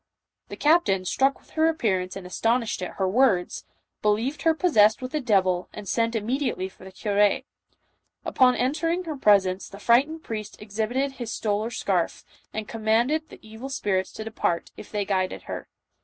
The captain, struck with her appear ance and astonished at her words, believed her possessed with a devil, and sent immediately for the cure. Upon entering her presence, the frightened priest exhibited his stole or scarf, and commanded the evil spirits to de part, if they guided her.